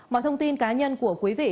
mọi thông tin cá nhân của quý vị